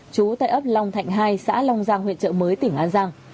trú tại ấp long thạnh hai xã long giang huyện trợ mới tỉnh an giang